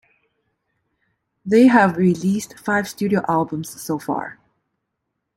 They have released five studio albums so far.